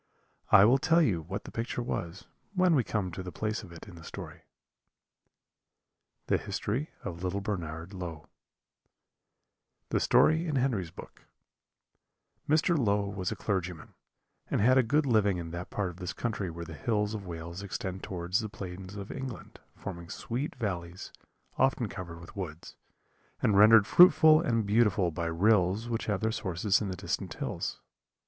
I will tell you what the picture was when we come to the place of it in the story. The History of Little Bernard Low THE STORY IN HENRY'S BOOK "Mr. Low was a clergyman, and had a good living in that part of this country where the hills of Wales extend towards the plains of England, forming sweet valleys, often covered with woods, and rendered fruitful and beautiful by rills which have their sources in the distant hills.